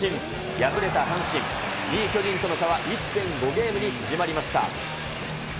敗れた阪神、２位巨人との差は１．５ゲームに縮まりました。